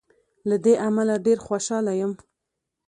له دې امله ډېر خوشاله یم.